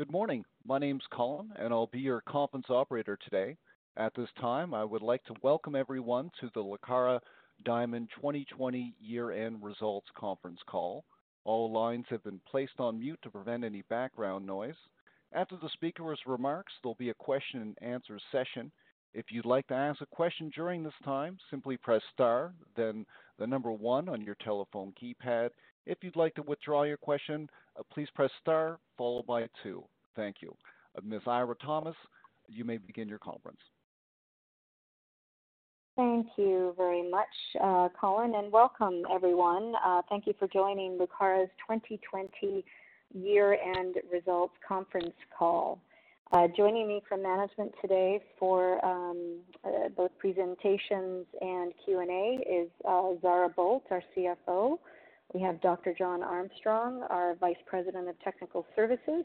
Good morning. My name's Colin, and I'll be your conference operator today. At this time, I would like to welcome everyone to the Lucara Diamond 2020 year-end results conference call. All lines have been placed on mute to prevent any background noise. After the speaker's remarks, there'll be a question and answer session. If you'd like to ask a question during this time, simply press star, then the number one on your telephone keypad. If you'd like to withdraw your question, please press star followed by two. Thank you. Ms. Eira Thomas, you may begin your conference. Thank you very much, Colin. Welcome everyone. Thank you for joining Lucara's 2020 year-end results conference call. Joining me from management today for both presentations and Q&A is Zara Boldt, our CFO. We have Dr. John Armstrong, our vice president of technical services,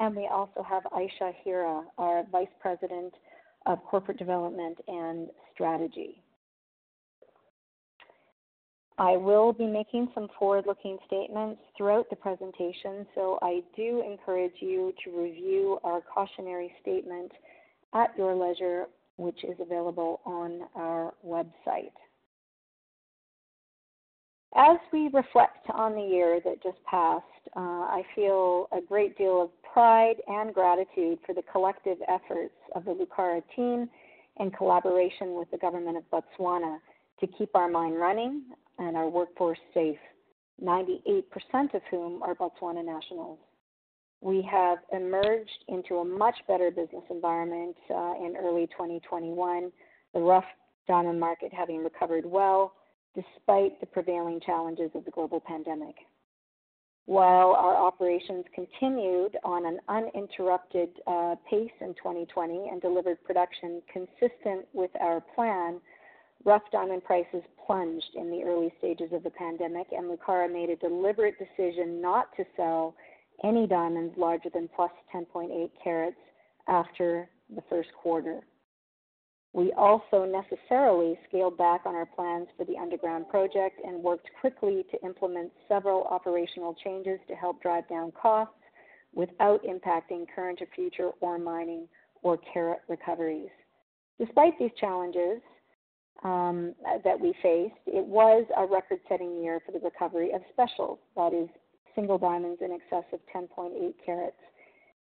and we also have Ayesha Hira, our vice president of corporate development and strategy. I will be making some forward-looking statements throughout the presentation, so I do encourage you to review our cautionary statement at your leisure, which is available on our website. As we reflect on the year that just passed, I feel a great deal of pride and gratitude for the collective efforts of the Lucara team in collaboration with the government of Botswana to keep our mine running and our workforce safe, 98% of whom are Botswana nationals. We have emerged into a much better business environment in early 2021, the rough diamond market having recovered well despite the prevailing challenges of the global pandemic. While our operations continued on an uninterrupted pace in 2020 and delivered production consistent with our plan, rough diamond prices plunged in the early stages of the pandemic, Lucara made a deliberate decision not to sell any diamonds larger than plus 10.8 carats after the first quarter. We also necessarily scaled back on our plans for the underground project and worked quickly to implement several operational changes to help drive down costs without impacting current or future ore mining or carat recoveries. Despite these challenges that we faced, it was a record-setting year for the recovery of specials, that is single diamonds in excess of 10.8 carats,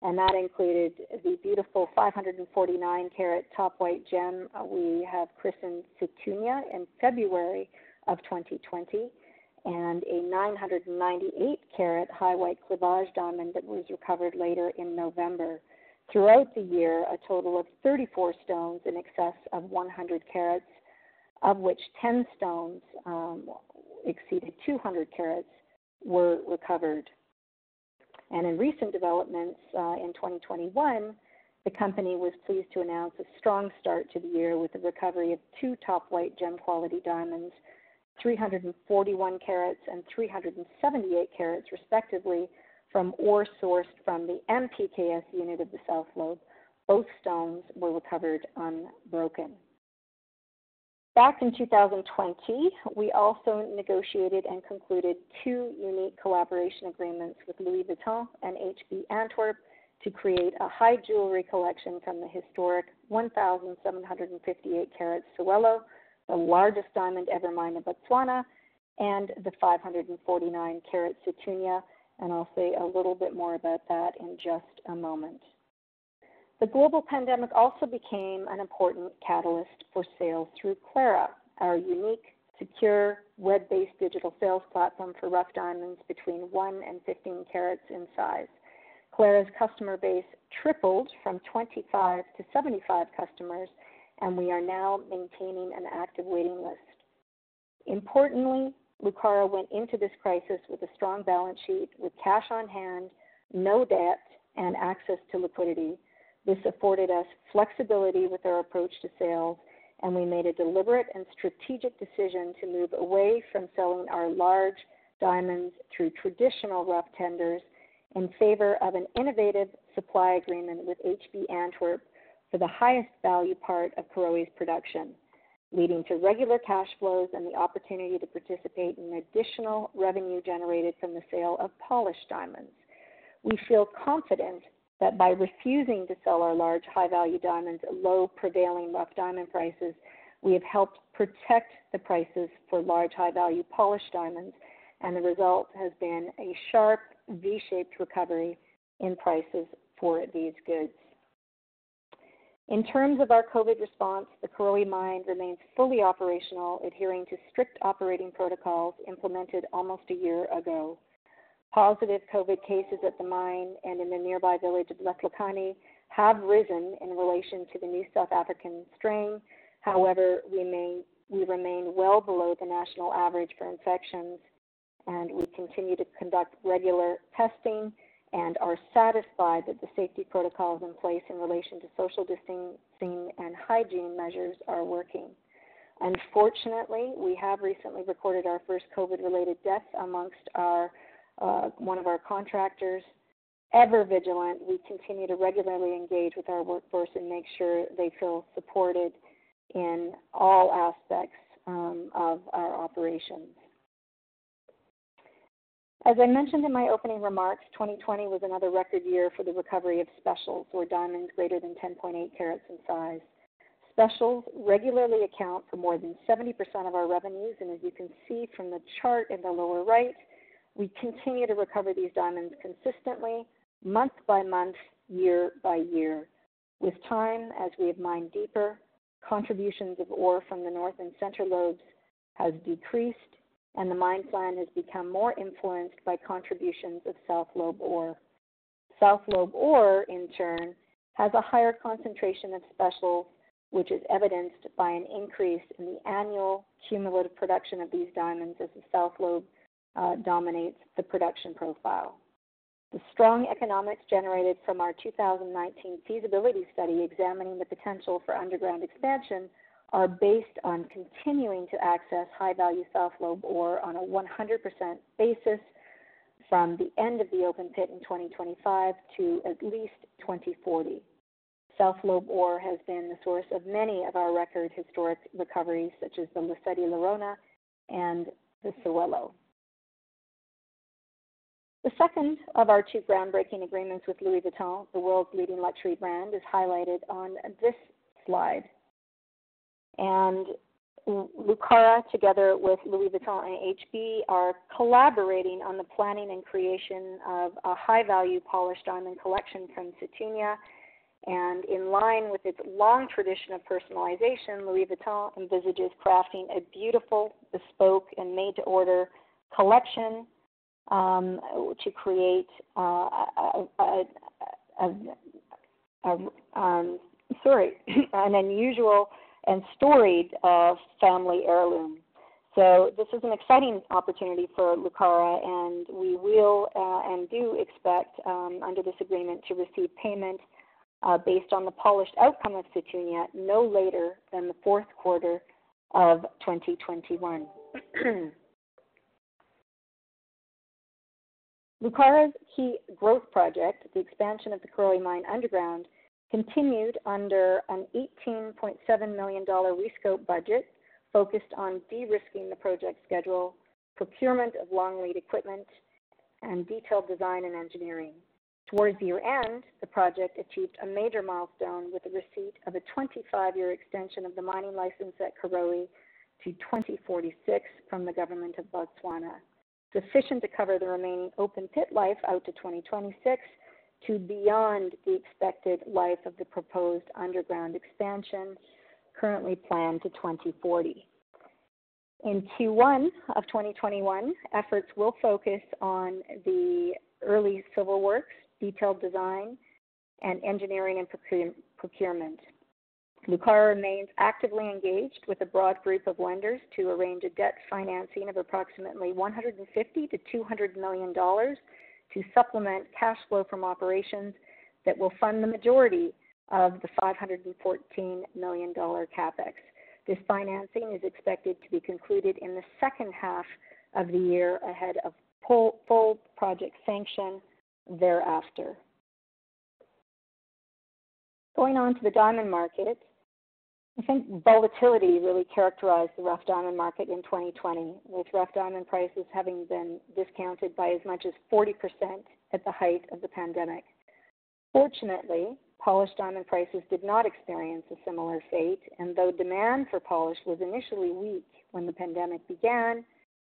and that included the beautiful 549-carat top white gem we have christened Sethunya in February of 2020, and a 998-carat high white cleavage diamond that was recovered later in November. Throughout the year, a total of 34 stones in excess of 100 carats, of which 10 stones exceeded 200 carats, were recovered. In recent developments in 2021, the company was pleased to announce a strong start to the year with the recovery of two top white gem-quality diamonds, 341 carats and 378 carats respectively, from ore sourced from the M/PK(S) unit of the South Lobe. Both stones were recovered unbroken. Back in 2020, we also negotiated and concluded two unique collaboration agreements with Louis Vuitton and HB Antwerp to create a high jewelry collection from the historic 1,758-carat Sewelo, the largest diamond ever mined in Botswana, and the 549-carat Sethunya, and I'll say a little bit more about that in just a moment. The global pandemic also became an important catalyst for sales through Clara, our unique, secure, web-based digital sales platform for rough diamonds between one and 15 carats in size. Clara's customer base tripled from 25-75 customers, and we are now maintaining an active waiting list. Importantly, Lucara went into this crisis with a strong balance sheet with cash on hand, no debt, and access to liquidity. This afforded us flexibility with our approach to sales, and we made a deliberate and strategic decision to move away from selling our large diamonds through traditional rough tenders in favor of an innovative supply agreement with HB Antwerp for the highest value part of Karowe's production, leading to regular cash flows and the opportunity to participate in additional revenue generated from the sale of polished diamonds. We feel confident that by refusing to sell our large, high-value diamonds at low prevailing rough diamond prices, we have helped protect the prices for large, high-value polished diamonds, and the result has been a sharp V-shaped recovery in prices for these goods. In terms of our COVID response, the Karowe Mine remains fully operational, adhering to strict operating protocols implemented almost a year ago. Positive COVID cases at the mine and in the nearby village of Letlhakane have risen in relation to the new South African strain. However, we remain well below the national average for infections, and we continue to conduct regular testing and are satisfied that the safety protocols in place in relation to social distancing and hygiene measures are working. Unfortunately, we have recently recorded our first COVID-related death amongst one of our contractors. Ever vigilant, we continue to regularly engage with our workforce and make sure they feel supported in all aspects of our operations. As I mentioned in my opening remarks, 2020 was another record year for the recovery of specials, or diamonds greater than 10.8 carats in size. Specials regularly account for more than 70% of our revenues, and as you can see from the chart in the lower right, we continue to recover these diamonds consistently month by month, year by year. With time, as we have mined deeper, contributions of ore from the North and Center lobes has decreased, and the mine plan has become more influenced by contributions of South Lobe ore. South Lobe ore, in turn, has a higher concentration of specials, which is evidenced by an increase in the annual cumulative production of these diamonds as the South Lobe dominates the production profile. The strong economics generated from our 2019 feasibility study examining the potential for underground expansion are based on continuing to access high-value South Lobe ore on a 100% basis from the end of the open pit in 2025 to at least 2040. South Lobe ore has been the source of many of our record historic recoveries, such as the Lesedi La Rona and the Sewelo. The second of our two groundbreaking agreements with Louis Vuitton, the world's leading luxury brand, is highlighted on this slide. Lucara, together with Louis Vuitton and HB, are collaborating on the planning and creation of a high-value polished diamond collection from Sethunya. In line with its long tradition of personalization, Louis Vuitton envisages crafting a beautiful bespoke and made-to-order collection to create an unusual and storied family heirloom. This is an exciting opportunity for Lucara, and we will and do expect under this agreement to receive payment based on the polished outcome of Sethunya no later than the fourth quarter of 2021. Lucara's key growth project, the expansion of the Karowe Mine underground, continued under an $18.7 million rescope budget focused on de-risking the project schedule, procurement of long-lead equipment, and detailed design and engineering. Towards year-end, the project achieved a major milestone with the receipt of a 25-year extension of the mining license at Karowe to 2046 from the government of Botswana, sufficient to cover the remaining open-pit life out to 2026 to beyond the expected life of the proposed underground expansion, currently planned to 2040. In Q1 of 2021, efforts will focus on the early civil works, detailed design, and engineering and procurement. Lucara remains actively engaged with a broad group of lenders to arrange a debt financing of approximately $150 million-$200 million to supplement cash flow from operations that will fund the majority of the $514 million CapEx. This financing is expected to be concluded in the second half of the year ahead of full project sanction thereafter. Going on to the diamond market, I think volatility really characterized the rough diamond market in 2020, with rough diamond prices having been discounted by as much as 40% at the height of the pandemic. Fortunately, polished diamond prices did not experience a similar fate, and though demand for polished was initially weak when the pandemic began,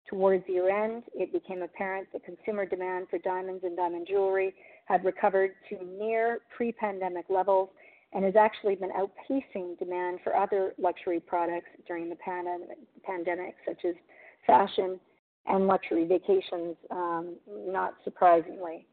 towards the year-end, it became apparent that consumer demand for diamonds and diamond jewelry had recovered to near pre-pandemic levels and has actually been outpacing demand for other luxury products during the pandemic, such as fashion and luxury vacations, not surprisingly.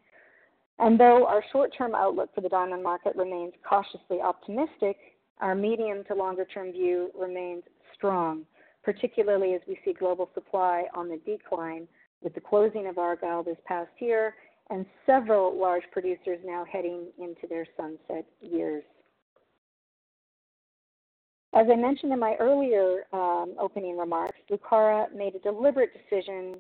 Though our short-term outlook for the diamond market remains cautiously optimistic, our medium to longer-term view remains strong, particularly as we see global supply on the decline with the closing of Argyle this past year and several large producers now heading into their sunset years. As I mentioned in my earlier opening remarks, Lucara made a deliberate decision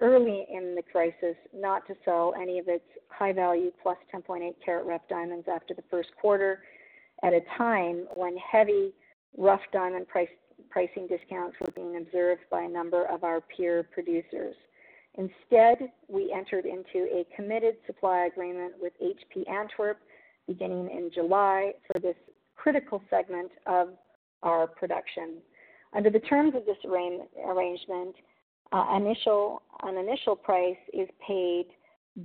early in the crisis not to sell any of its high-value, plus 10.8-carat rough diamonds after the first quarter, at a time when heavy rough diamond pricing discounts were being observed by a number of our peer producers. Instead, we entered into a committed supply agreement with HB Antwerp beginning in July for this critical segment of our production. Under the terms of this arrangement, an initial price is paid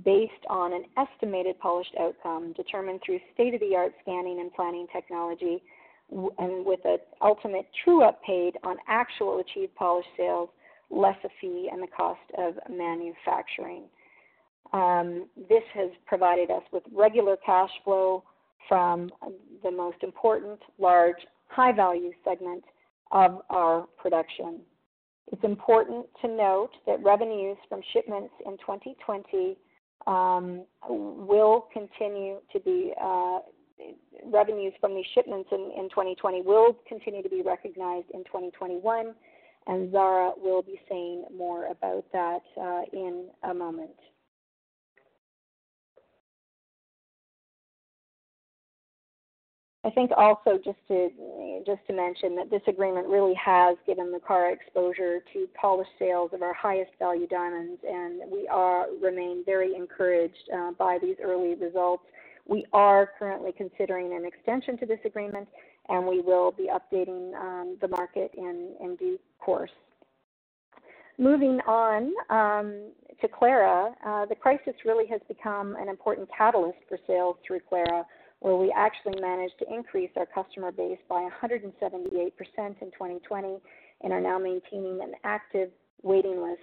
based on an estimated polished outcome determined through state-of-the-art scanning and planning technology and with an ultimate true-up paid on actual achieved polished sales, less a fee and the cost of manufacturing. This has provided us with regular cash flow from the most important large high-value segment of our production. It's important to note that revenues from these shipments in 2020 will continue to be recognized in 2021, and Zara will be saying more about that in a moment. I think also just to mention that this agreement really has given Lucara exposure to polished sales of our highest value diamonds, and we remain very encouraged by these early results. We are currently considering an extension to this agreement, and we will be updating the market in due course. Moving on to Clara, the crisis really has become an important catalyst for sales through Clara, where we actually managed to increase our customer base by 178% in 2020 and are now maintaining an active waiting list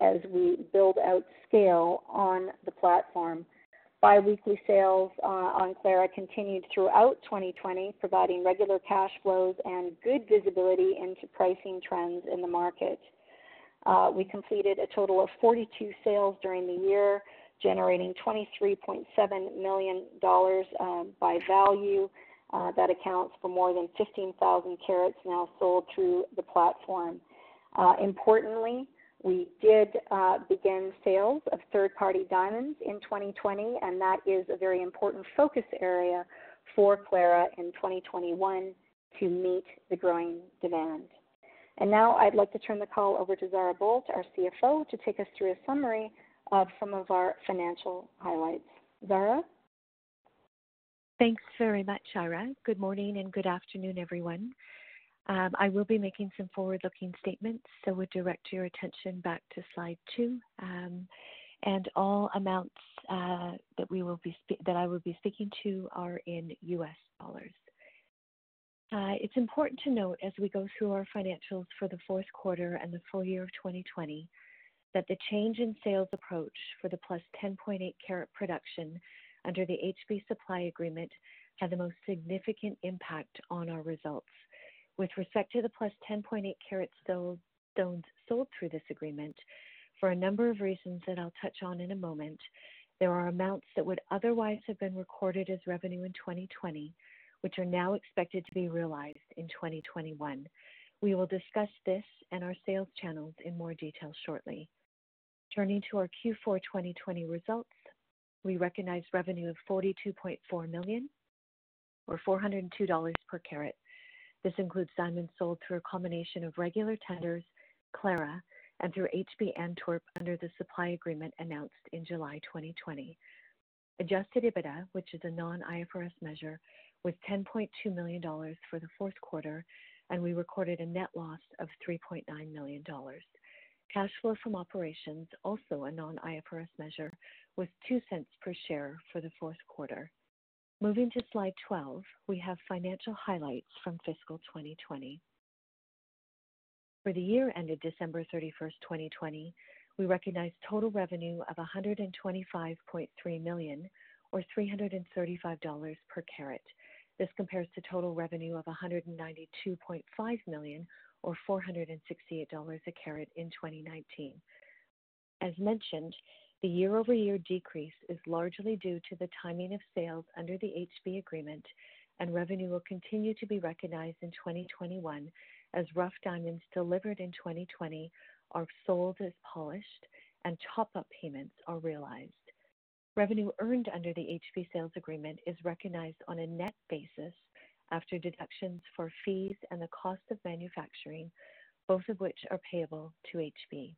as we build out scale on the platform. Bi-weekly sales on Clara continued throughout 2020, providing regular cash flows and good visibility into pricing trends in the market. We completed a total of 42 sales during the year, generating $23.7 million by value. That accounts for more than 15,000 carats now sold through the platform. Importantly, we did begin sales of third-party diamonds in 2020. That is a very important focus area for Clara in 2021 to meet the growing demand. Now I'd like to turn the call over to Zara Boldt, our CFO, to take us through a summary of some of our financial highlights. Zara? Thanks very much, Zara. Good morning and good afternoon, everyone. I will be making some forward-looking statements, so would direct your attention back to slide two. All amounts that I will be speaking to are in U.S. dollars. It's important to note as we go through our financials for the fourth quarter and the full year of 2020, that the change in sales approach for the plus 10.8 carat production under the HB supply agreement had the most significant impact on our results. With respect to the plus 10.8 carat stones sold through this agreement, for a number of reasons that I'll touch on in a moment, there are amounts that would otherwise have been recorded as revenue in 2020, which are now expected to be realized in 2021. We will discuss this and our sales channels in more detail shortly. Turning to our Q4 2020 results, we recognized revenue of $42.4 million or $402 per carat. This includes diamonds sold through a combination of regular tenders, Clara, and through HB Antwerp under the supply agreement announced in July 2020. Adjusted EBITDA, which is a non-IFRS measure, was $10.2 million for the fourth quarter, and we recorded a net loss of $3.9 million. Cash flow from operations, also a non-IFRS measure, was $0.02 per share for the fourth quarter. Moving to slide 12, we have financial highlights from fiscal 2020. For the year ended December 31, 2020, we recognized total revenue of $125.3 million or $335 per carat. This compares to total revenue of $192.5 million or $468 a carat in 2019. As mentioned, the year-over-year decrease is largely due to the timing of sales under the HB agreement, and revenue will continue to be recognized in 2021 as rough diamonds delivered in 2020 are sold as polished and top-up payments are realized. Revenue earned under the HB sales agreement is recognized on a net basis after deductions for fees and the cost of manufacturing, both of which are payable to HB.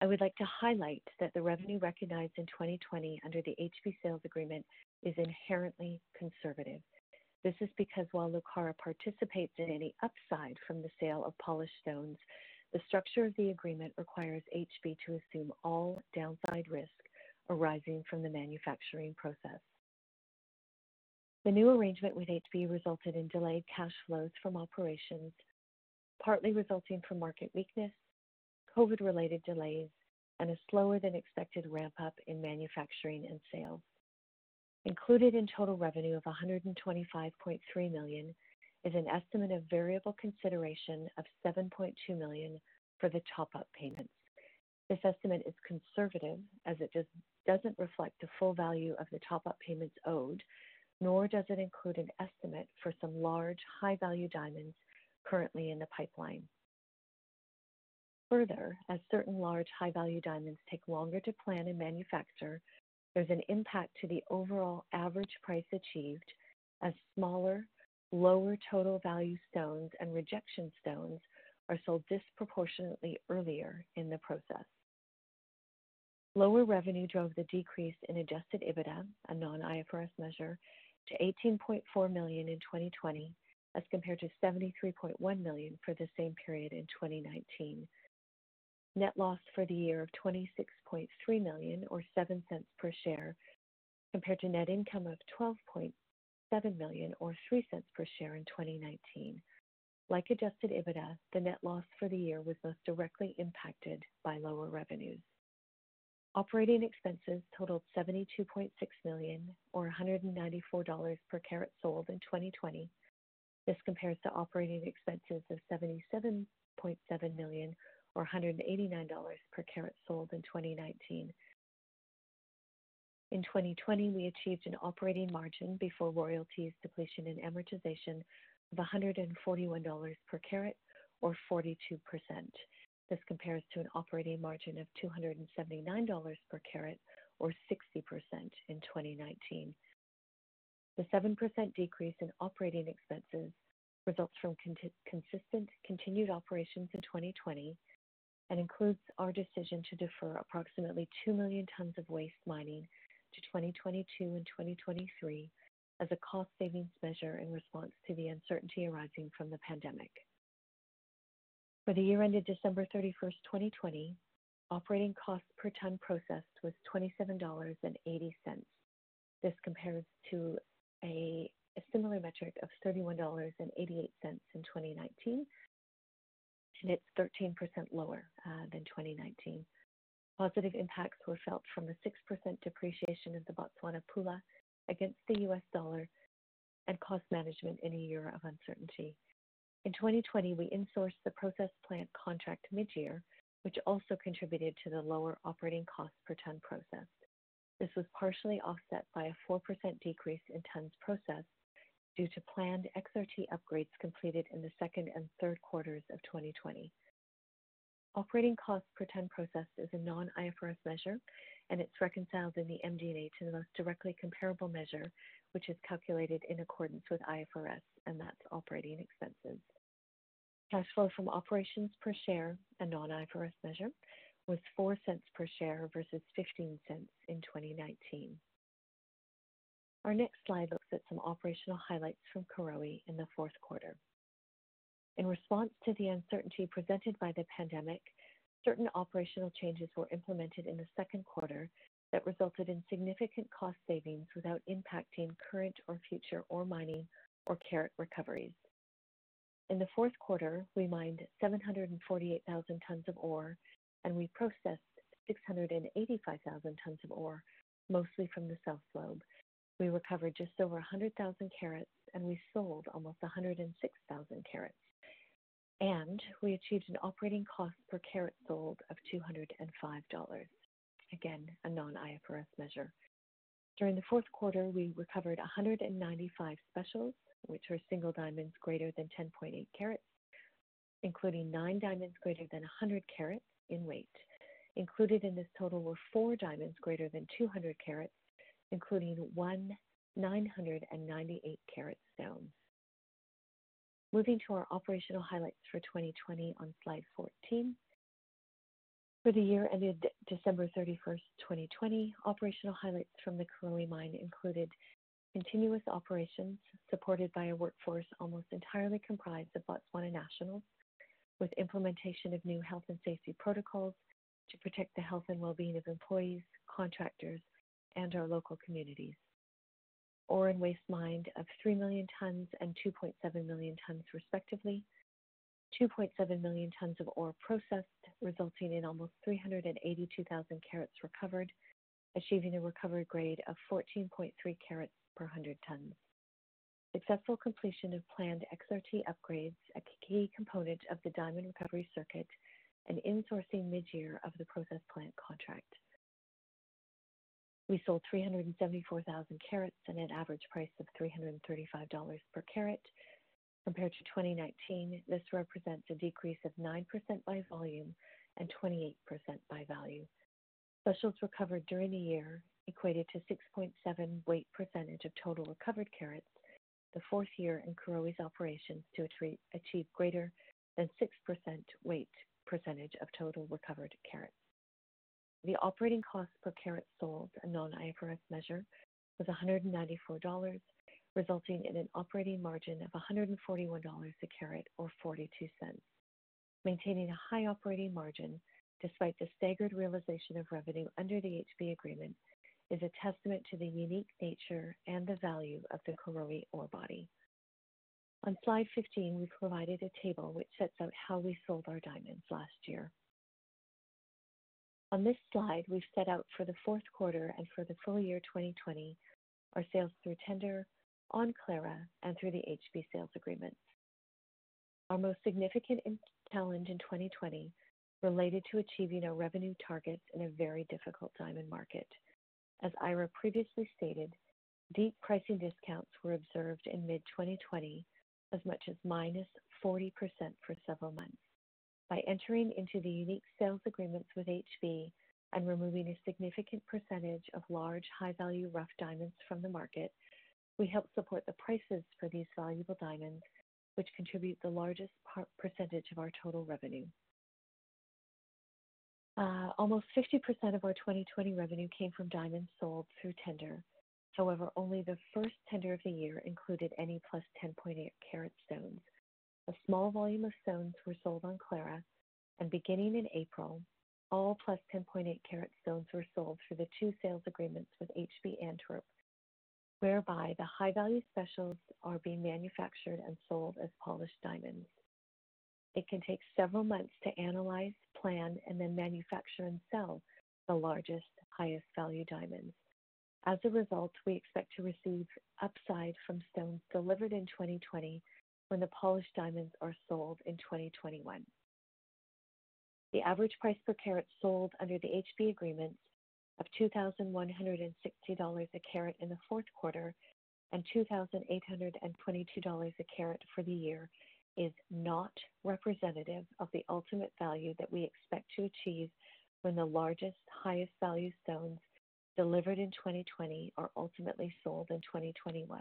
I would like to highlight that the revenue recognized in 2020 under the HB sales agreement is inherently conservative. This is because while Lucara participates in any upside from the sale of polished stones, the structure of the agreement requires HB to assume all downside risk arising from the manufacturing process. The new arrangement with HB resulted in delayed cash flows from operations, partly resulting from market weakness, COVID-related delays, and a slower-than-expected ramp-up in manufacturing and sales. Included in total revenue of $125.3 million is an estimate of variable consideration of $7.2 million for the top-up payments. This estimate is conservative, as it doesn't reflect the full value of the top-up payments owed, nor does it include an estimate for some large, high-value diamonds currently in the pipeline. Further, as certain large, high-value diamonds take longer to plan and manufacture, there's an impact to the overall average price achieved as smaller, lower total value stones and rejection stones are sold disproportionately earlier in the process. Lower revenue drove the decrease in adjusted EBITDA, a non-IFRS measure, to $18.4 million in 2020, as compared to $73.1 million for the same period in 2019. Net loss for the year of $26.3 million or $0.07 per share, compared to net income of $12.7 million or $0.03 per share in 2019. Like adjusted EBITDA, the net loss for the year was most directly impacted by lower revenues. Operating expenses totaled $72.6 million or $194 per carat sold in 2020. This compares to operating expenses of $77.7 million or $189 per carat sold in 2019. In 2020, we achieved an operating margin before royalties, depletion, and amortization of $141 per carat or 42%. This compares to an operating margin of $279 per carat or 60% in 2019. The 7% decrease in operating expenses results from consistent continued operations in 2020 and includes our decision to defer approximately 2 million tons of waste mining to 2022 and 2023 as a cost savings measure in response to the uncertainty arising from the pandemic. For the year ended December 31st, 2020, operating cost per ton processed was $27.80. This compares to a similar metric of $31.88 in 2019, and it's 13% lower than 2019. Positive impacts were felt from the 6% depreciation of the Botswana pula against the U.S. dollar and cost management in a year of uncertainty. In 2020, we insourced the process plant contract mid-year, which also contributed to the lower operating cost per ton processed. This was partially offset by a 4% decrease in tons processed due to planned XRT upgrades completed in the second and third quarters of 2020. Operating cost per ton processed is a non-IFRS measure, and it's reconciled in the MD&A to the most directly comparable measure, which is calculated in accordance with IFRS, and that's operating expenses. Cash flow from operations per share, a non-IFRS measure, was $0.04 per share versus $0.15 in 2019. Our next slide looks at some operational highlights from Karowe in the fourth quarter. In response to the uncertainty presented by the pandemic, certain operational changes were implemented in the second quarter that resulted in significant cost savings without impacting current or future ore mining or carat recoveries. In the fourth quarter, we mined 748,000 tons of ore, and we processed 685,000 tons of ore, mostly from the South Lobe. We recovered just over 100,000 carats, and we sold almost 106,000 carats, and we achieved an operating cost per carat sold of $205. Again, a non-IFRS measure. During the fourth quarter, we recovered 195 specials, which were single diamonds greater than 10.8 carats, including nine diamonds greater than 100 carats in weight. Included in this total were four diamonds greater than 200 carats, including one 998-carat stone. Moving to our operational highlights for 2020 on slide 14. For the year ended 31st December 2020, operational highlights from the Karowe Mine included continuous operations supported by a workforce almost entirely comprised of Botswana nationals, with implementation of new health and safety protocols to protect the health and wellbeing of employees, contractors, and our local communities. Ore and waste mined of 3 million tons and 2.7 million tons respectively, 2.7 million tons of ore processed, resulting in almost 382,000 carats recovered, achieving a recovery grade of 14.3 carats per 100 tons. Successful completion of planned XRT upgrades, a key component of the diamond recovery circuit, and insourcing mid-year of the process plant contract. We sold 374,000 carats at an average price of $335 per carat. Compared to 2019, this represents a decrease of 9% by volume and 28% by value. Specials recovered during the year equated to 6.7% of total recovered carats, the fourth year in Karowe's operations to achieve greater than 6% of total recovered carats. The operating cost per carat sold, a non-IFRS measure, was $194, resulting in an operating margin of $141 a carat or $0.42. Maintaining a high operating margin despite the staggered realization of revenue under the HB agreement is a testament to the unique nature and the value of the Karowe ore body. On slide 15, we provided a table which sets out how we sold our diamonds last year. On this slide, we've set out for the fourth quarter and for the full year 2020 our sales through tender, on Clara, and through the HB sales agreements. Our most significant challenge in 2020 related to achieving our revenue targets in a very difficult diamond market. As Eira previously stated, deep pricing discounts were observed in mid-2020, as much as -40% for several months. By entering into the unique sales agreements with HB and removing a significant percentage of large, high-value rough diamonds from the market, we helped support the prices for these valuable diamonds, which contribute the largest percentage of our total revenue. Almost 50% of our 2020 revenue came from diamonds sold through tender. However, only the first tender of the year included any plus 10.8 carat stones. A small volume of stones were sold on Clara, and beginning in April, all plus 10.8 carat stones were sold through the two sales agreements with HB Antwerp, whereby the high-value specials are being manufactured and sold as polished diamonds. It can take several months to analyze, plan, and then manufacture and sell the largest, highest value diamonds. We expect to receive upside from stones delivered in 2020 when the polished diamonds are sold in 2021. The average price per carat sold under the HB agreements of $2,160 a carat in the fourth quarter and $2,822 a carat for the year is not representative of the ultimate value that we expect to achieve when the largest, highest value stones delivered in 2020 are ultimately sold in 2021.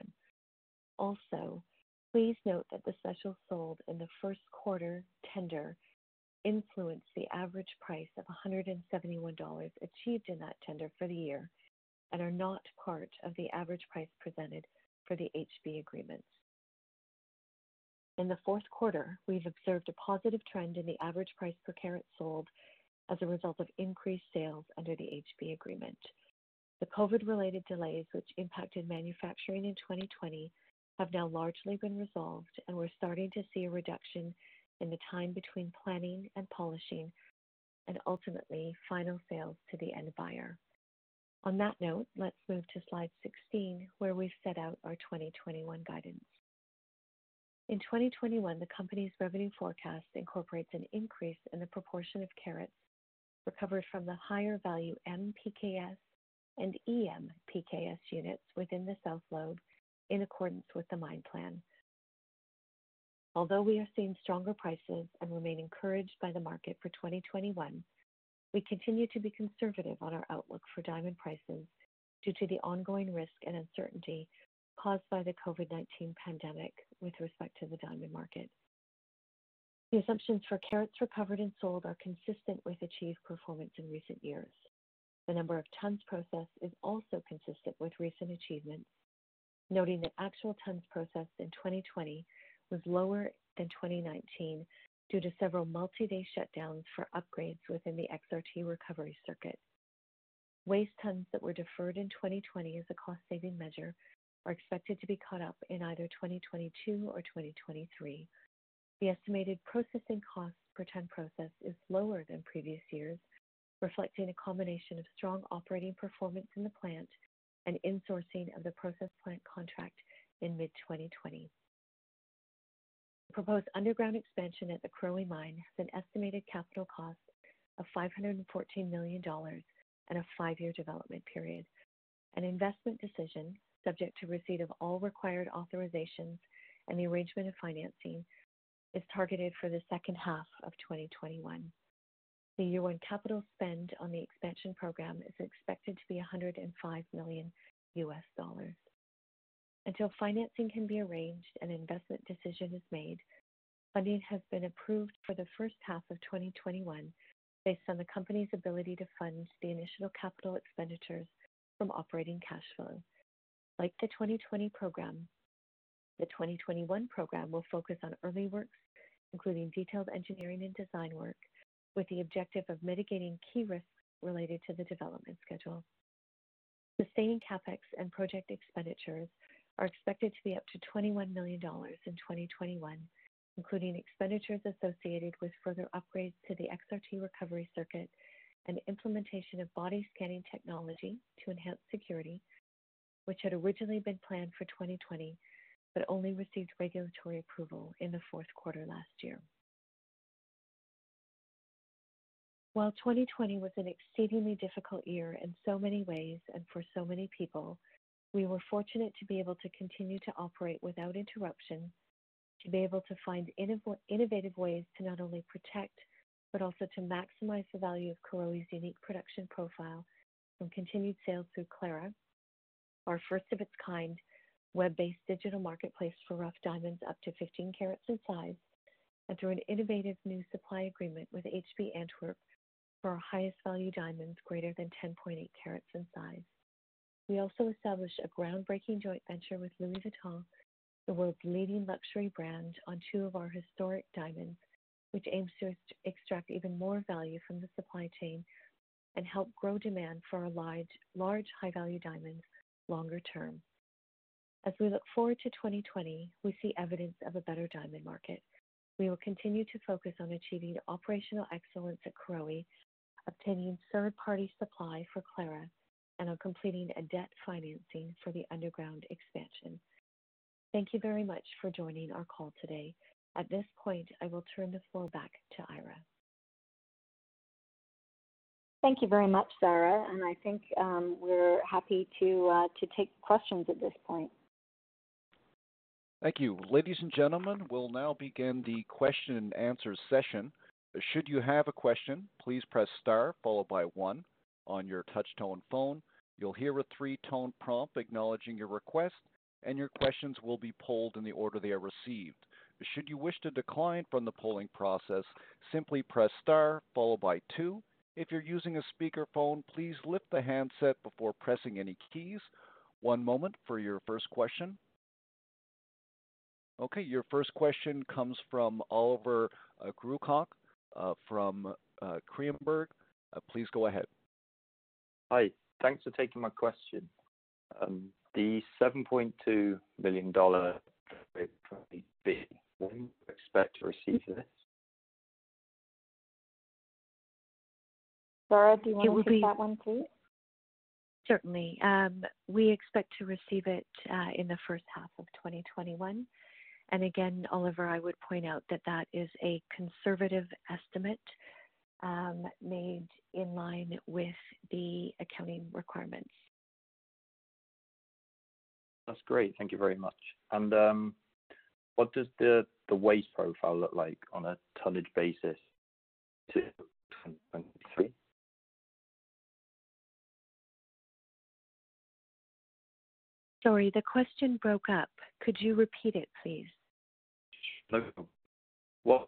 Please note that the specials sold in the first quarter tender influenced the average price of $171 achieved in that tender for the year and are not part of the average price presented for the HB agreement. In the fourth quarter, we've observed a positive trend in the average price per carat sold as a result of increased sales under the HB agreement. The COVID-related delays, which impacted manufacturing in 2020, have now largely been resolved, and we're starting to see a reduction in the time between planning and polishing, and ultimately final sales to the end buyer. On that note, let's move to slide 16, where we've set out our 2021 guidance. In 2021, the company's revenue forecast incorporates an increase in the proportion of carats recovered from the higher value M/PK(S) and EM/PK(S) units within the South Lobe in accordance with the mine plan. Although we are seeing stronger prices and remain encouraged by the market for 2021, we continue to be conservative on our outlook for diamond prices due to the ongoing risk and uncertainty caused by the COVID-19 pandemic with respect to the diamond market. The assumptions for carats recovered and sold are consistent with achieved performance in recent years. The number of tonnes processed is also consistent with recent achievements, noting that actual tonnes processed in 2020 was lower than 2019 due to several multi-day shutdowns for upgrades within the XRT recovery circuit. Waste tonnes that were deferred in 2020 as a cost-saving measure are expected to be caught up in either 2022 or 2023. The estimated processing costs per tonne processed is lower than previous years, reflecting a combination of strong operating performance in the plant and insourcing of the process plant contract in mid-2020. The proposed underground expansion at the Karowe Mine has an estimated capital cost of $514 million and a five-year development period. An investment decision, subject to receipt of all required authorizations and the arrangement of financing, is targeted for the second half of 2021. The year-one capital spend on the expansion program is expected to be $105 million. Until financing can be arranged and investment decision is made, funding has been approved for the first half of 2021 based on the company's ability to fund the initial capital expenditures from operating cash flow. Like the 2020 program, the 2021 program will focus on early works, including detailed engineering and design work, with the objective of mitigating key risks related to the development schedule. Sustaining CapEx and project expenditures are expected to be up to $21 million in 2021, including expenditures associated with further upgrades to the XRT recovery circuit and implementation of body scanning technology to enhance security, which had originally been planned for 2020, but only received regulatory approval in the fourth quarter last year. While 2020 was an exceedingly difficult year in so many ways and for so many people, we were fortunate to be able to continue to operate without interruption, to be able to find innovative ways to not only protect, but also to maximize the value of Karowe's unique production profile from continued sales through Clara, our first of its kind web-based digital marketplace for rough diamonds up to 15 carats in size, and through an innovative new supply agreement with HB Antwerp for our highest value diamonds greater than 10.8 carats in size. We also established a groundbreaking joint venture with Louis Vuitton, the world's leading luxury brand, on two of our historic diamonds, which aims to extract even more value from the supply chain and help grow demand for our large, high-value diamonds longer term. As we look forward to 2020, we see evidence of a better diamond market. We will continue to focus on achieving operational excellence at Karowe, obtaining third-party supply for Clara, and on completing a debt financing for the underground expansion. Thank you very much for joining our call today. At this point, I will turn the floor back to Eira. Thank you very much, Zara, I think we're happy to take questions at this point. Thank you. Ladies and gentlemen, we'll now begin the question and answer session. Should you have a question, please press star followed by one on your touch-tone phone. You'll hear a three-tone prompt acknowledging your request, and your questions will be polled in the order they are received. Should you wish to decline from the polling process, simply press star followed by two. If you're using a speakerphone, please lift the handset before pressing any keys. One moment for your first question. Okay, your first question comes from Oliver Grodzicki from Berenberg. Please go ahead. Hi. Thanks for taking my question. The $7.2 million when do you expect to receive this? Zara, do you want to take that one too? Certainly. We expect to receive it in the first half of 2021. Again, Oliver, I would point out that that is a conservative estimate made in line with the accounting requirements. That's great. Thank you very much. What does the waste profile look like on a tonnage basis? Sorry, the question broke up. Could you repeat it, please? No problem. What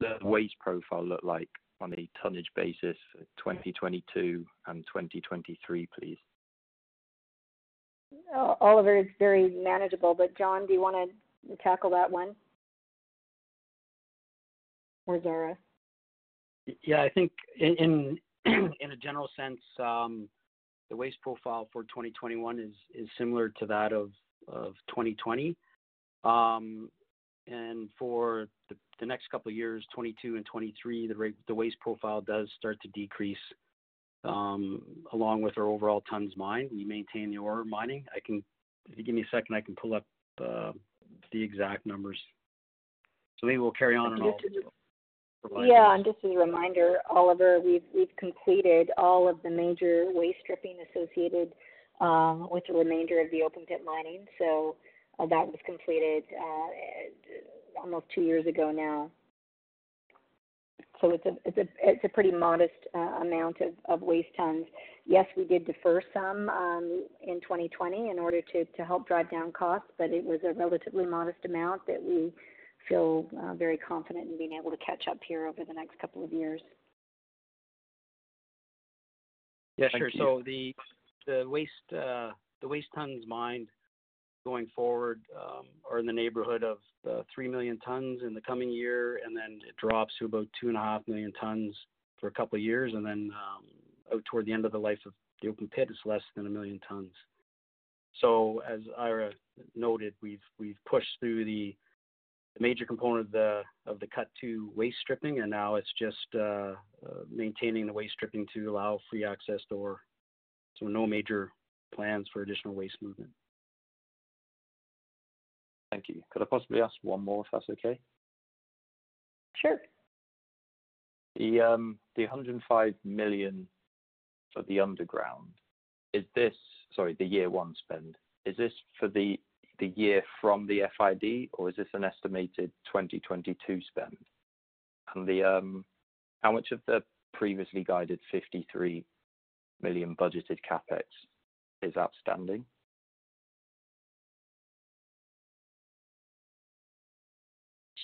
does the waste profile look like on a tonnage basis for 2022 and 2023, please? Oliver, it's very manageable, but John, do you want to tackle that one? Or Zara? Yeah, I think in a general sense, the waste profile for 2021 is similar to that of 2020. For the next couple of years, 2022 and 2023, the waste profile does start to decrease along with our overall tons mined. We maintain the ore mining. If you give me a second, I can pull up the exact numbers. Maybe we'll carry on. Yeah, and just as a reminder, Oliver, we've completed all of the major waste stripping associated with the remainder of the open pit mining. That was completed almost two years ago now. It's a pretty modest amount of waste tons. Yes, we did defer some in 2020 in order to help drive down costs, but it was a relatively modest amount that we feel very confident in being able to catch up here over the next couple of years. The waste tonnes mined going forward are in the neighborhood of 3 million tonnes in the coming year, and then it drops to about 2.5 million tonnes for a couple of years, and then out toward the end of the life of the open pit, it’s less than 1 million tonnes. As Eira noted, we’ve pushed through the major component of the cut-to waste stripping, and now it’s just maintaining the waste stripping to allow free access to ore. No major plans for additional waste movement. Thank you. Could I possibly ask one more if that's okay? Sure. The $105 million for the underground, sorry, the year one spend, is this for the year from the FID or is this an estimated 2022 spend? How much of the previously guided $53 million budgeted CapEx is outstanding?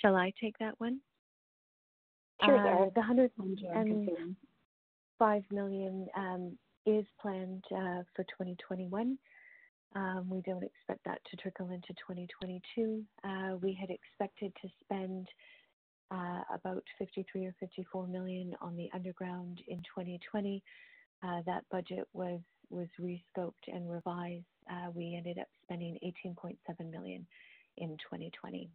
Shall I take that one? Sure, Zara, continue. The $105 million is planned for 2021. We don't expect that to trickle into 2022. We had expected to spend about $53 or $54 million on the underground in 2020. That budget was re-scoped and revised. We ended up spending $18.7 million in 2020.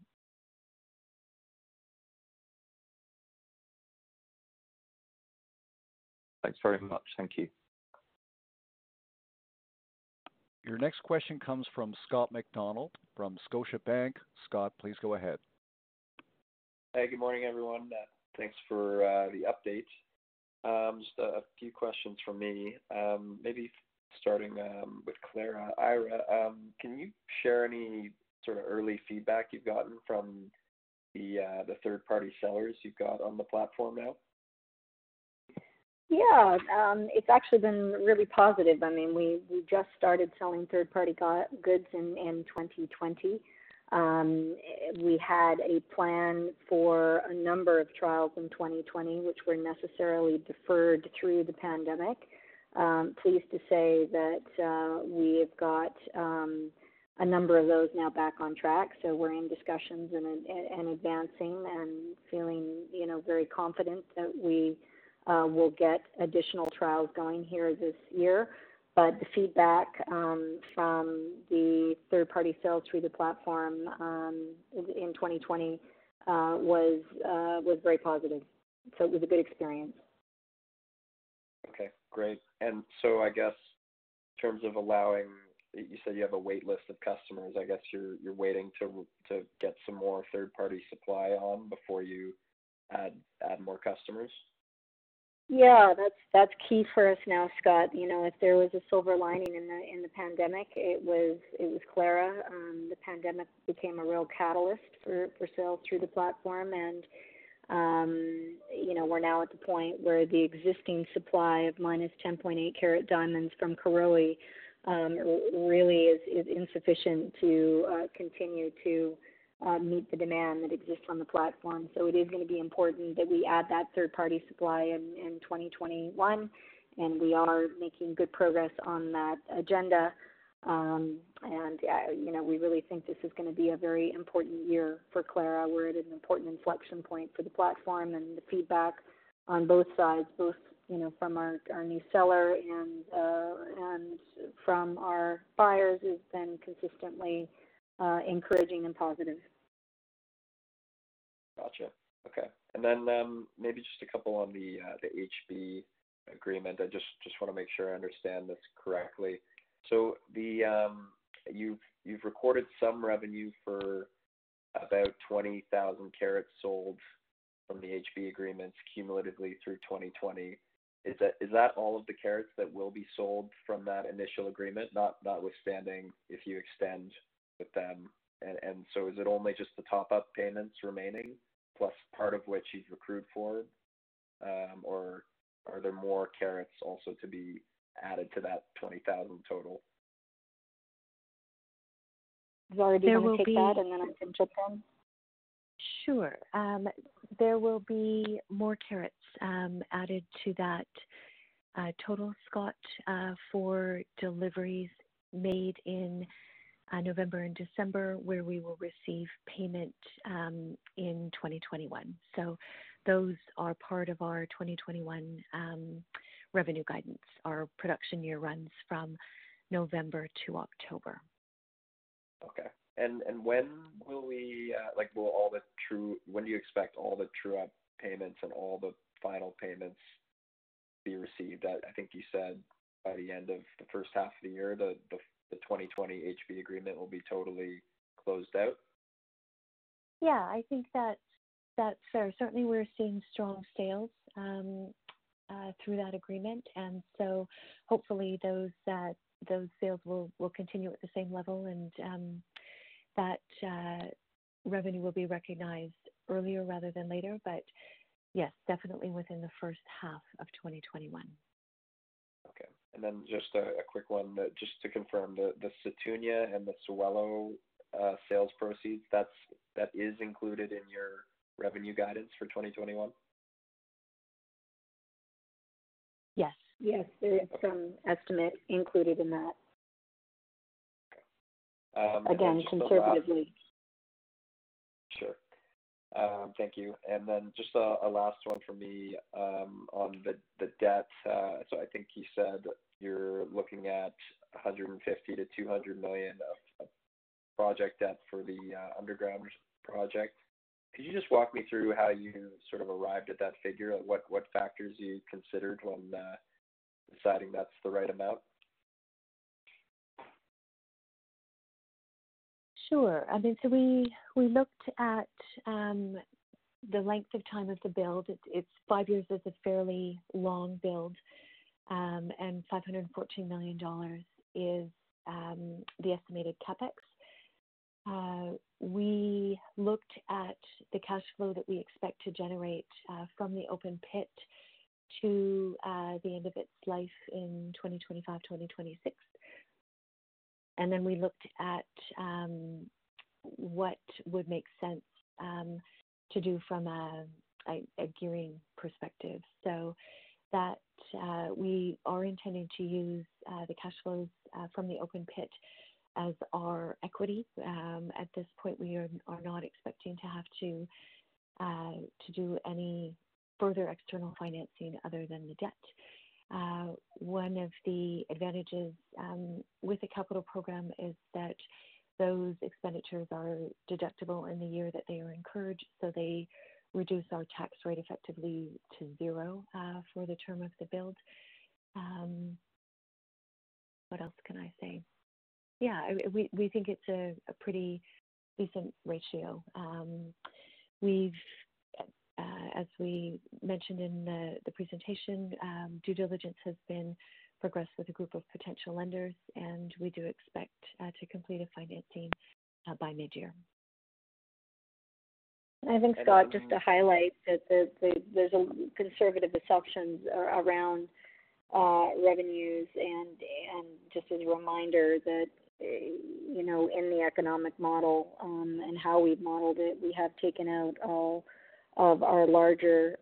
Thanks very much. Thank you. Your next question comes from Scott MacDonald from Scotiabank. Scott, please go ahead. Hey, good morning, everyone. Thanks for the update. Just a few questions from me. Maybe starting with Clara. Eira, can you share any sort of early feedback you've gotten from the third-party sellers you've got on the platform now? Yeah. It's actually been really positive. We just started selling third-party goods in 2020. We had a plan for a number of trials in 2020, which were necessarily deferred through the pandemic. Pleased to say that we've got a number of those now back on track. We're in discussions and advancing and feeling very confident that we will get additional trials going here this year. The feedback from the third-party sales through the platform in 2020 was very positive. It was a good experience. Okay, great. I guess in terms of allowing, you said you have a wait list of customers, I guess you're waiting to get some more third-party supply on before you add more customers? Yeah, that's key for us now, Scott. If there was a silver lining in the pandemic, it was Clara. The pandemic became a real catalyst for sales through the platform, and we're now at the point where the existing supply of minus 10.8 carat diamonds from Karowe really is insufficient to continue to meet the demand that exists on the platform. It is going to be important that we add that third-party supply in 2021, and we are making good progress on that agenda. We really think this is going to be a very important year for Clara. We're at an important inflection point for the platform, and the feedback on both sides, both from our new seller and from our buyers, has been consistently encouraging and positive. Got you. Okay. Maybe just a couple on the HB agreement. I just want to make sure I understand this correctly. You've recorded some revenue for about 20,000 carats sold from the HB agreements cumulatively through 2020. Is that all of the carats that will be sold from that initial agreement, notwithstanding if you extend with them? Is it only just the top-up payments remaining, plus part of which you've accrued for? Are there more carats also to be added to that 20,000 total? Zara, do you want to take that, and then I can jump in? Sure. There will be more carats added to that total, Scott, for deliveries made in November and December, where we will receive payment in 2021. Those are part of our 2021 revenue guidance. Our production year runs from November to October. Okay. When do you expect all the true-up payments and all the final payments to be received? I think you said by the end of the first half of the year, the 2020 HB agreement will be totally closed out? Yeah, I think that's fair. Certainly, we're seeing strong sales through that agreement. Hopefully those sales will continue at the same level and that revenue will be recognized earlier rather than later. Yes, definitely within the first half of 2021. Okay. Then just a quick one, just to confirm, the Sethunya and the Sewelo sales proceeds, that is included in your revenue guidance for 2021? Yes. Yes, there is some estimate included in that. Okay. Again, conservatively. Sure. Thank you. Just a last one from me on the debt. I think you said you're looking at $150 million-$200 million of project debt for the underground project. Could you just walk me through how you arrived at that figure? What factors you considered when deciding that's the right amount? Sure. We looked at the length of time of the build. five years is a fairly long build, and $514 million is the estimated CapEx. We looked at the cash flow that we expect to generate from the open pit to the end of its life in 2025, 2026. We looked at what would make sense to do from a gearing perspective. We are intending to use the cash flows from the open pit as our equity. At this point, we are not expecting to have to do any further external financing other than the debt. One of the advantages with the capital program is that those expenditures are deductible in the year that they are incurred, so they reduce our tax rate effectively to zero for the term of the build. What else can I say? We think it's a pretty decent ratio. As we mentioned in the presentation, due diligence has been progressed with a group of potential lenders, and we do expect to complete a financing by mid-year. I think, Scott, just to highlight that there's conservative assumptions around revenues and just as a reminder that in the economic model and how we've modeled it, we have taken out all of our larger,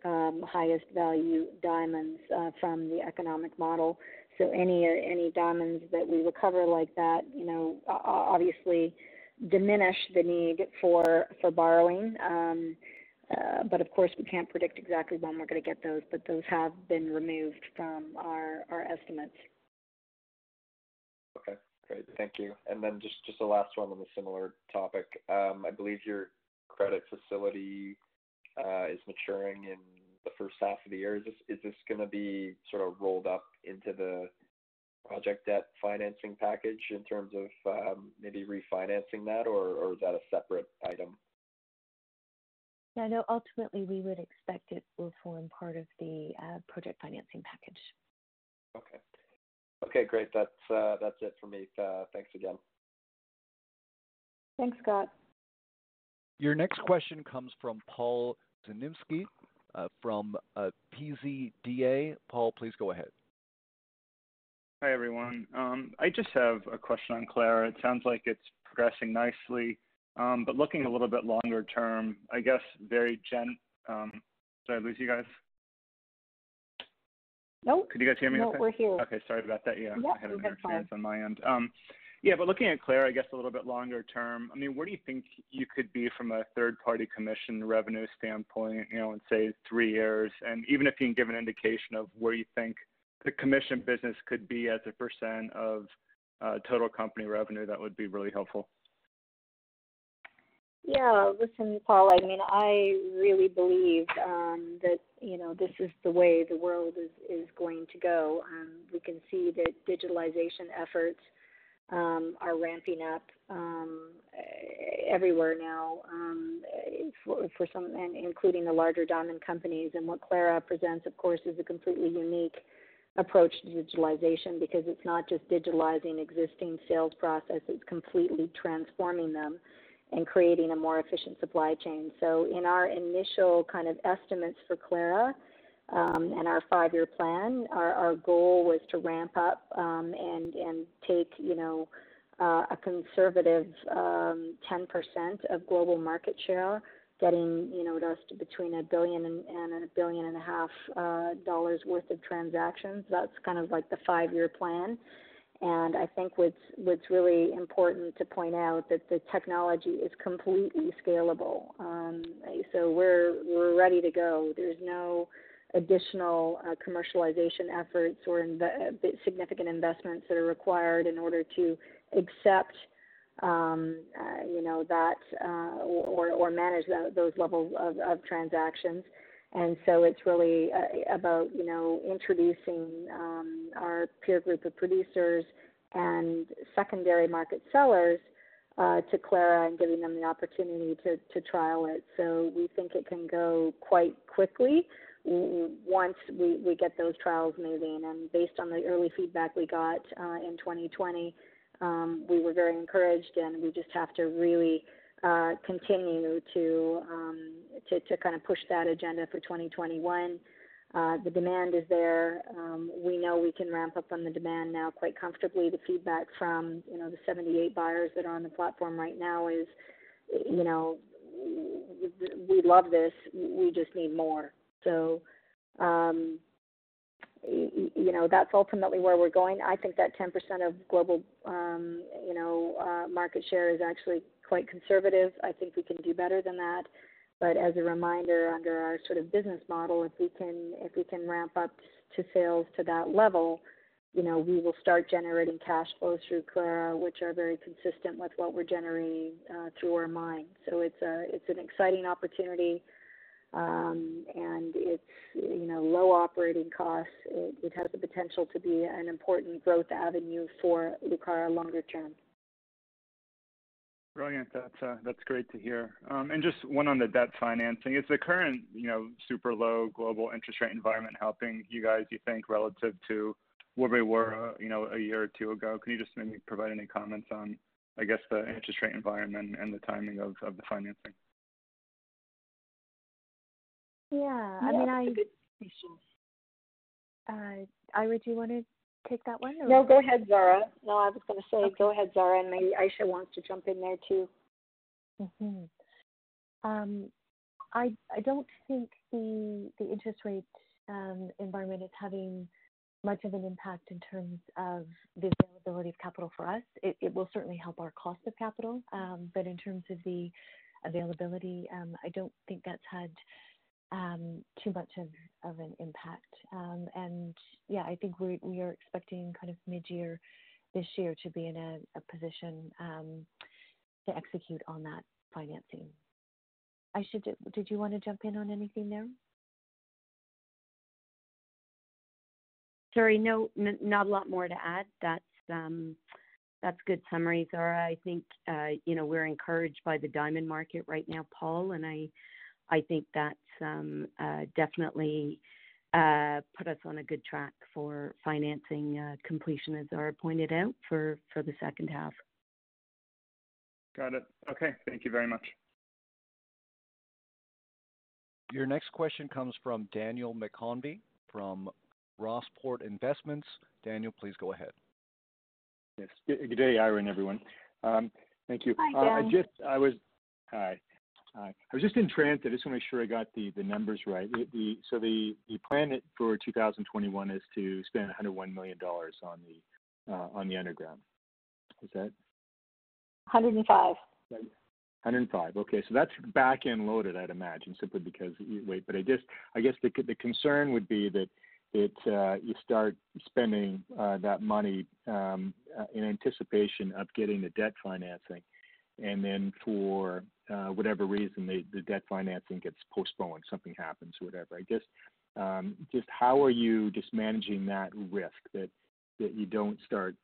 highest value diamonds from the economic model. Any diamonds that we recover like that obviously diminish the need for borrowing. Of course, we can't predict exactly when we're going to get those, but those have been removed from our estimates. Okay, great. Thank you. Then just a last one on a similar topic. I believe your credit facility is maturing in the first half of the year. Is this going to be rolled up into the project debt financing package in terms of maybe refinancing that, or is that a separate item? No, ultimately, we would expect it will form part of the project financing package. Okay. Okay, great. That's it for me. Thanks again. Thanks, Scott. Your next question comes from Paul Zimnisky from PZDA. Paul, please go ahead. Hi, everyone. I just have a question on Clara. It sounds like it's progressing nicely. Looking a little bit longer term, I guess Did I lose you guys? Nope. Could you guys hear me okay? Nope, we're here. Okay, sorry about that, yeah. Yep, we're good. I had a bit of chance on my end. Looking at Clara, I guess a little bit longer term, where do you think you could be from a third-party commission revenue standpoint in, say, three years? Even if you can give an indication of where you think the commission business could be as a % of total company revenue, that would be really helpful. Yeah. Listen, Paul, I really believe that this is the way the world is going to go. We can see that digitalization efforts are ramping up everywhere now. For some, including the larger diamond companies. What Clara presents, of course, is a completely unique approach to digitalization because it is not just digitalizing existing sales processes, it is completely transforming them and creating a more efficient supply chain. In our initial estimates for Clara, and our five-year plan, our goal was to ramp up and take a conservative 10% of global market share, getting us to between $1 billion and $1.5 billion worth of transactions. That is the five-year plan. I think what is really important to point out that the technology is completely scalable. We are ready to go. There's no additional commercialization efforts or significant investments that are required in order to accept that or manage those levels of transactions. It's really about introducing our peer group of producers and secondary market sellers to Clara and giving them the opportunity to trial it. We think it can go quite quickly once we get those trials moving. Based on the early feedback we got in 2020, we were very encouraged, and we just have to really continue to push that agenda for 2021. The demand is there. We know we can ramp up on the demand now quite comfortably. The feedback from the 78 buyers that are on the platform right now is, "We love this. We just need more." That's ultimately where we're going. I think that 10% of global market share is actually quite conservative. I think we can do better than that. As a reminder, under our business model, if we can ramp up to sales to that level, we will start generating cash flows through Clara, which are very consistent with what we're generating through our mine. It's an exciting opportunity. It's low operating costs. It has the potential to be an important growth avenue for Lucara longer term. Brilliant. That's great to hear. Just one on the debt financing. Is the current super low global interest rate environment helping you guys, you think, relative to where we were a year or two ago? Can you just maybe provide any comments on, I guess, the interest rate environment and the timing of the financing That's a good question. Eira, do you want to take that one or- No, go ahead, Zara. No, I was going to say go ahead, Zara, and maybe Ayesha wants to jump in there, too. I don't think the interest rate environment is having much of an impact in terms of the availability of capital for us. It will certainly help our cost of capital. In terms of the availability, I don't think that's had too much of an impact. Yeah, I think we are expecting mid-year this year to be in a position to execute on that financing. Ayesha, did you want to jump in on anything there? Sorry. No, not a lot more to add. That's good summary, Zara. I think we're encouraged by the diamond market right now, Paul, and I think that's definitely put us on a good track for financing completion, as Zara pointed out, for the second half. Got it. Okay. Thank you very much. Your next question comes from Daniel McConvey from Rossport Investments. Daniel, please go ahead. Yes. Good day, Eira, and everyone. Thank you. Hi, Dan. Hi. I was just intrigued, I just want to make sure I got the numbers right. The plan for 2021 is to spend $101 million on the underground. 105. 105, okay. That's back-end loaded, I'd imagine, simply because I guess the concern would be that you start spending that money in anticipation of getting the debt financing, and then for whatever reason, the debt financing gets postponed, something happens, whatever. I guess, just how are you just managing that risk that you don't start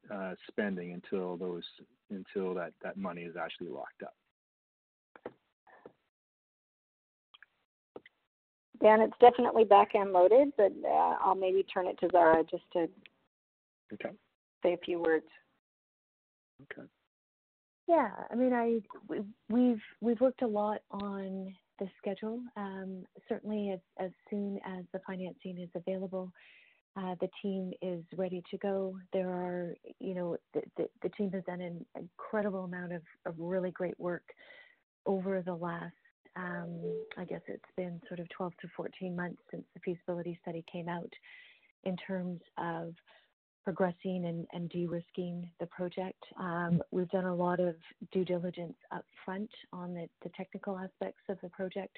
spending until that money is actually locked up? Dan, it's definitely back-end loaded, but I'll maybe turn it to Zara. Okay say a few words. Okay. Yeah. We've worked a lot on the schedule. Certainly as soon as the financing is available, the team is ready to go. The team has done an incredible amount of really great work over the last, I guess it's been sort of 12-14 months since the feasibility study came out, in terms of progressing and de-risking the project. We've done a lot of due diligence up front on the technical aspects of the project.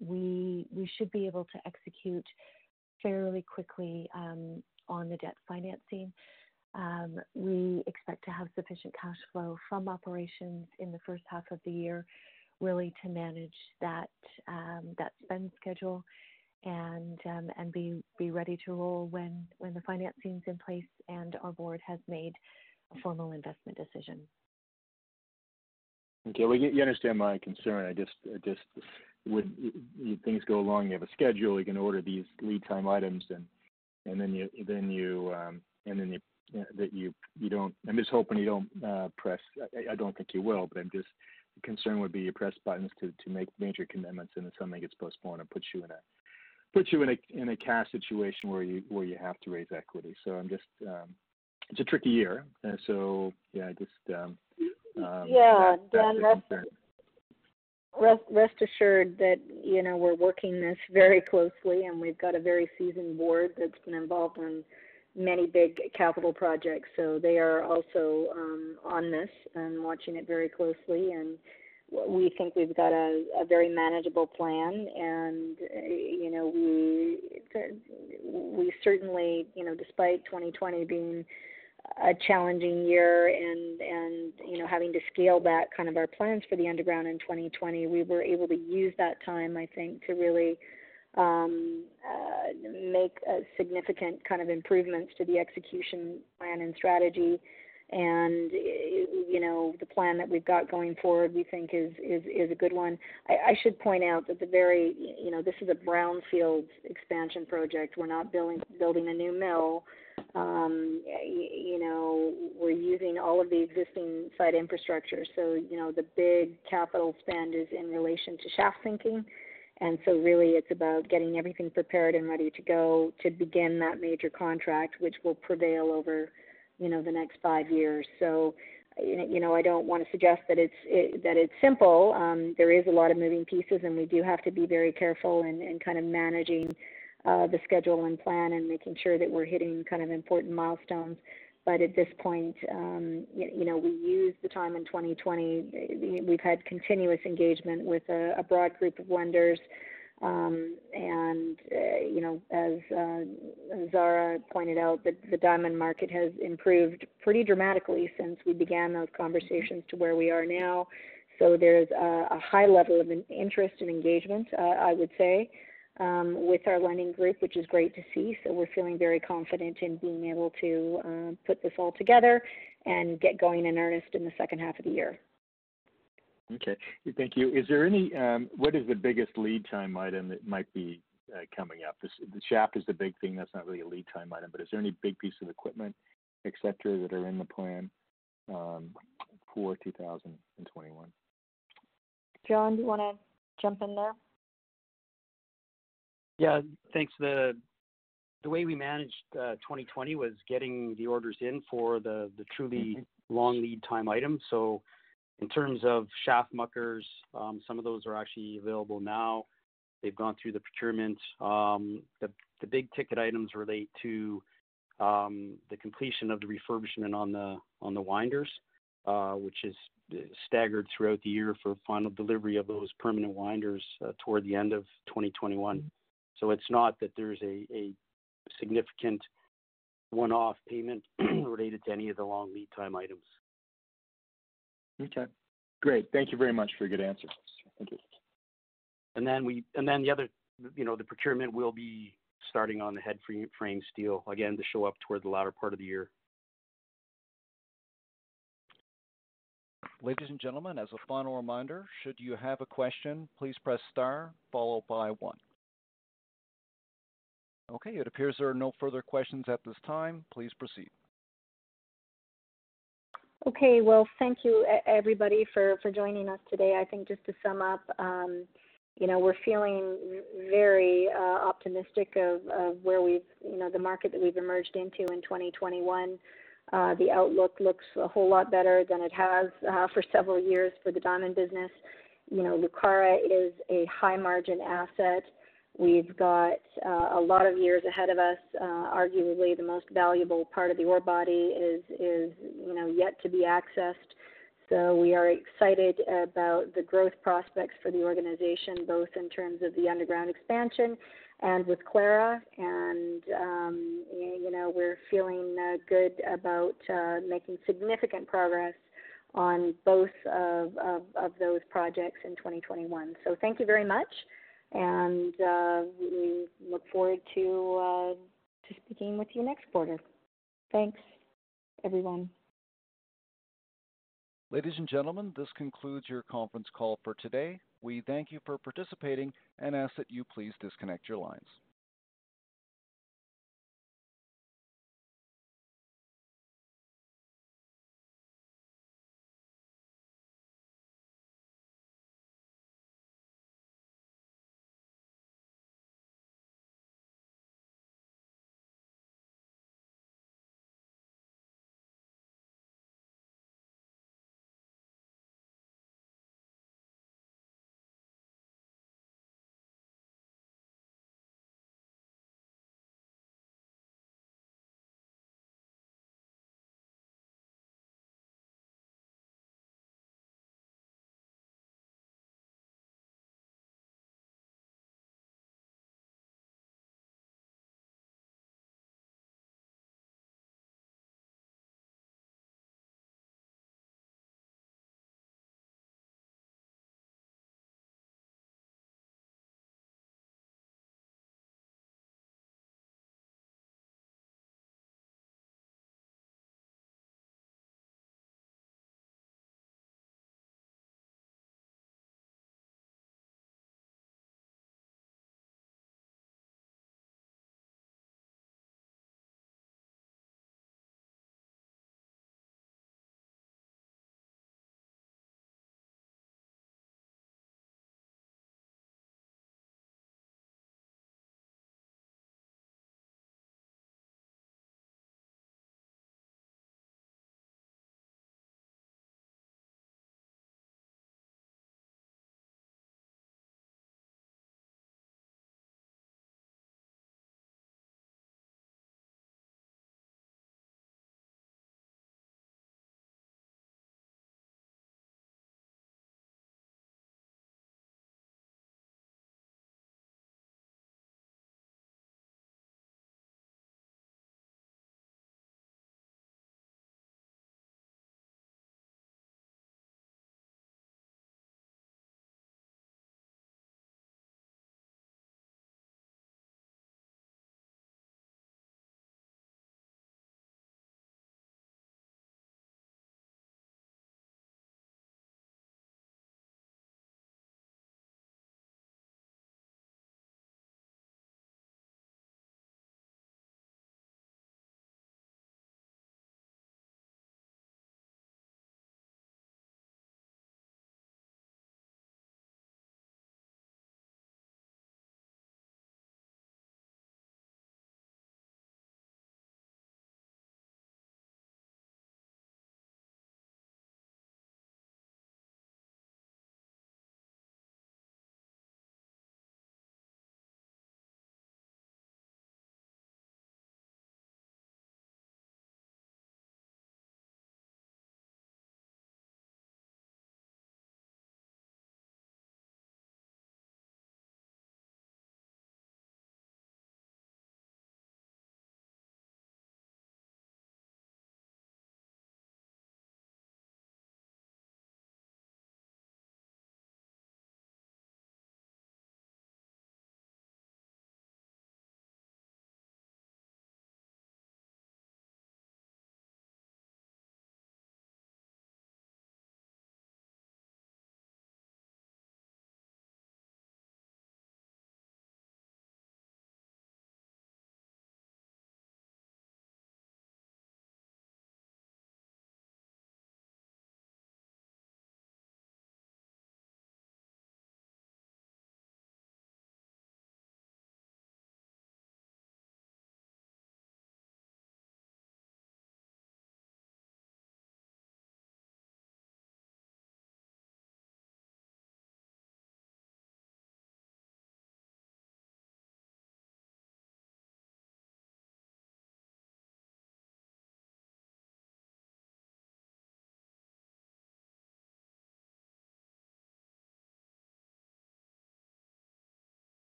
We should be able to execute fairly quickly on the debt financing. We expect to have sufficient cash flow from operations in the first half of the year, really to manage that spend schedule and be ready to roll when the financing's in place and our board has made a formal investment decision. Okay. Well, you understand my concern. When things go along, you have a schedule, you're going to order these lead time items and then I'm just hoping you don't press I don't think you will, but the concern would be you press buttons to make major commitments and then something gets postponed and puts you in a cash situation where you have to raise equity. It's a tricky year. Yeah. Dan, rest assured that we're working this very closely and we've got a very seasoned board that's been involved in many big capital projects. They are also on this and watching it very closely, and we think we've got a very manageable plan. We certainly, despite 2020 being a challenging year and having to scale back our plans for the underground in 2020, we were able to use that time, I think, to really make significant improvements to the execution plan and strategy. The plan that we've got going forward, we think is a good one. I should point out that this is a brownfield expansion project. We're not building a new mill. We're using all of the existing site infrastructure, so the big capital spend is in relation to shaft sinking, and so really it's about getting everything prepared and ready to go to begin that major contract, which will prevail over the next five years. I don't want to suggest that it's simple. There is a lot of moving pieces, and we do have to be very careful in managing the schedule and plan and making sure that we're hitting important milestones. At this point, we used the time in 2020, we've had continuous engagement with a broad group of lenders. As Zara pointed out, the diamond market has improved pretty dramatically since we began those conversations to where we are now. There's a high level of interest and engagement, I would say, with our lending group, which is great to see. We're feeling very confident in being able to put this all together and get going in earnest in the second half of the year. Okay. Thank you. What is the biggest lead time item that might be coming up? The shaft is the big thing. That is not really a lead time item, but is there any big piece of equipment, etc, that are in the plan for 2021? John, do you want to jump in there? Yeah. Thanks. The way we managed 2020 was getting the orders in for the truly long lead time items. In terms of shaft muckers, some of those are actually available now. They've gone through the procurement. The big-ticket items relate to the completion of the refurbishment on the winders, which is staggered throughout the year for final delivery of those permanent winders toward the end of 2021. It's not that there's a significant one-off payment related to any of the long lead time items. Okay, great. Thank you very much for your good answers. Thank you. The procurement will be starting on the headframe steel, again, to show up toward the latter part of the year. Ladies and gentlemen, as a final reminder, should you have a question, please press star followed by one. Okay, it appears there are no further questions at this time. Please proceed. Okay. Well, thank you everybody for joining us today. I think just to sum up, we're feeling very optimistic of the market that we've emerged into in 2021. The outlook looks a whole lot better than it has for several years for the diamond business. Lucara is a high-margin asset. We've got a lot of years ahead of us. Arguably, the most valuable part of the ore body is yet to be accessed. We are excited about the growth prospects for the organization, both in terms of the underground expansion and with Clara. We're feeling good about making significant progress on both of those projects in 2021. Thank you very much, and we look forward to speaking with you next quarter. Thanks, everyone. Ladies and gentlemen, this concludes your conference call for today. We thank you for participating and ask that you please disconnect your lines.